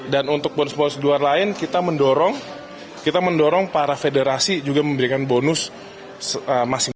dan untuk bonus bonus luar lain kita mendorong para federasi juga memberikan bonus masing masing